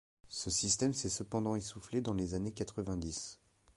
Ce système s'est cependant essouflé dans les années quatre-vingt-dix.